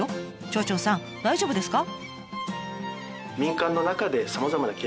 町長さん大丈夫ですか？